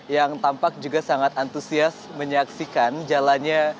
yang tampak juga sangat antusias menyaksikan jalannya